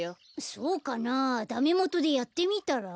そうかなあダメもとでやってみたら？